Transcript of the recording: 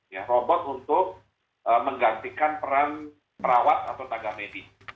ya robot untuk menggantikan peran perawat atau tangga medis